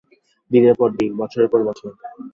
দিনের পর দিন, বছরের পর বছর।